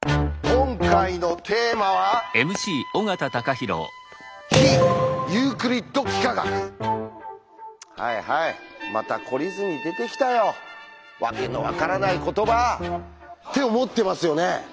今回のテーマは「はいはいまた懲りずに出てきたよ訳の分からない言葉！」って思ってますよね？